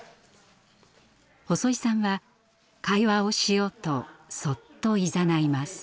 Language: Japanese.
細井さんは会話をしようとそっといざないます。